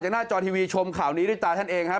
หน้าจอทีวีชมข่าวนี้ด้วยตาท่านเองครับ